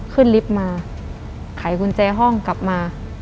ขึ้นลิฟท์มาขายกุญแจห้องกลับมา